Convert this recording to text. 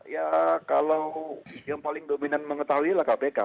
ya kalau yang paling dominan mengetahui adalah kpk